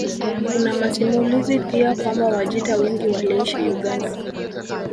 Kuna masimulizi pia kwamba Wajita wengi waliishi Uganda